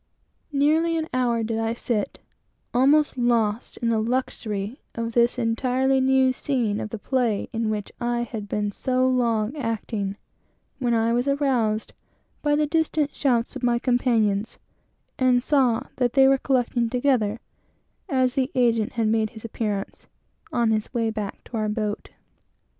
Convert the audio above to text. Nearly an hour did I sit, almost lost in the luxury of this entire new scene of the play in which I had been so long acting, when I was aroused by the distant shouts of my companions, and saw that they were collecting together, as the agent had made his appearance, on his way back to our boat.